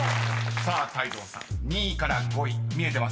［さあ泰造さん２位から５位見えてますか？］